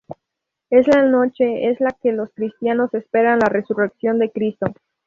Es la noche es la que los cristianos esperan la resurrección de Cristo.